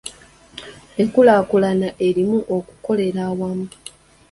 Enkulaakulana erimu okukolera awamu.